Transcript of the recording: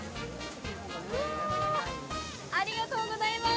ありがとうございます。